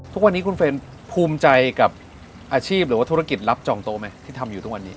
ทุกวันนี้คุณเฟรนภูมิใจกับอาชีพหรือว่าธุรกิจรับจองโต๊ไหมที่ทำอยู่ทุกวันนี้